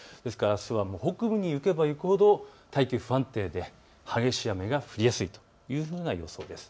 あすは北部に行けば行くほど大気が不安定で激しい雨が降りやすいというふうになりそうです。